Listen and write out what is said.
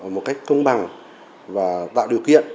một cách công bằng và tạo điều kiện